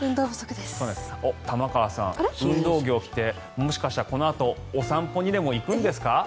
玉川さん、運動着を着てもしかして、このあとお散歩にでも行くんですか？